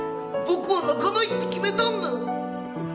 僕は泣かないって決めたんだ。